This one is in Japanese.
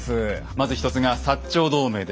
まず一つが「長同盟」です。